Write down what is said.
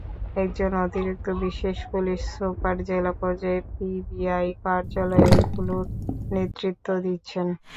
একজন অতিরিক্ত বিশেষ পুলিশ সুপার জেলা পর্যায়ে পিবিআই কার্যালয়গুলোর নেতৃত্ব দিচ্ছেন।